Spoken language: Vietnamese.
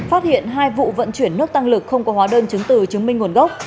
phát hiện hai vụ vận chuyển nước tăng lực không có hóa đơn chứng từ chứng minh nguồn gốc